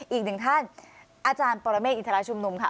อีกหนึ่งท่านอาจารย์ปรเมฆอินทราชุมนุมค่ะ